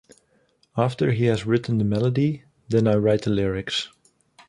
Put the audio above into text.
After he's written the melody, then I write the lyrics.